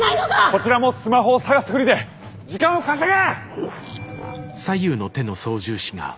こちらもスマホを探すふりで時間を稼げ！